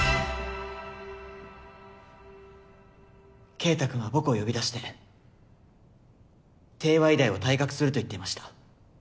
慧太くんは僕を呼び出して「帝和医大を退学する」と言っていました。